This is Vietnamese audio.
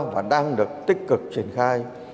và đang được tích cực triển khai